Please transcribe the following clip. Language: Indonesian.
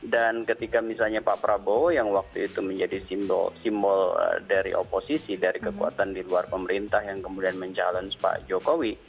dan ketika misalnya pak prabowo yang waktu itu menjadi simbol dari oposisi dari kekuatan di luar pemerintah yang kemudian menjalankan pak jokowi